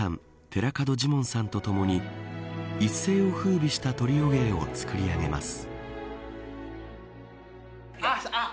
寺門ジモンさんとともに一世を風靡したトリオ芸を作り上げます。